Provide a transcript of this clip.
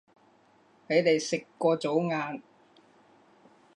你哋食過早吂